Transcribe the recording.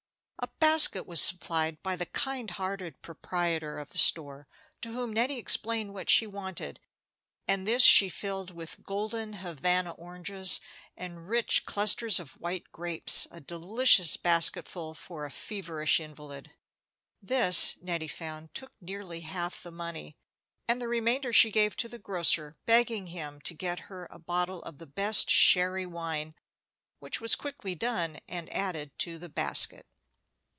A basket was supplied by the kind hearted proprietor of the store, to whom Nettie explained what she wanted, and this she filled with golden Havana oranges and rich clusters of white grapes a delicious basketful for a feverish invalid. This, Nettie found, took nearly half the money, and the remainder she gave to the grocer, begging him to get her a bottle of the best sherry wine, which was quickly done, and added to the basket.